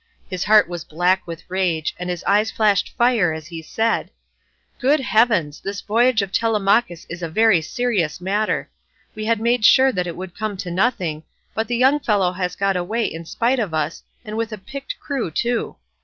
His heart was black with rage, and his eyes flashed fire as he said: "Good heavens, this voyage of Telemachus is a very serious matter; we had made sure that it would come to nothing, but the young fellow has got away in spite of us, and with a picked crew too.